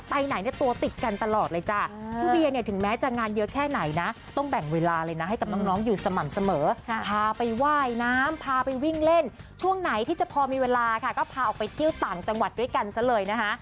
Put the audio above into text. พอมีเวลาค่ะก็พาออกไปเตี้ยวต่างจังหวัดด้วยกันซะเลยนะคะ